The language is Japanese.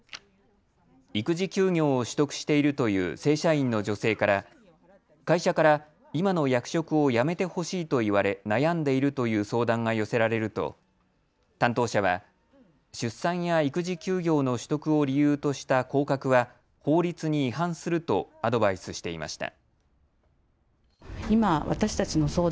育児休業を取得しているという正社員の女性から会社から今の役職をやめてほしいと言われ悩んでいるという相談が寄せられると担当者は出産や育児休業の取得を理由とした降格は法律に違反するとアドバイスしていました。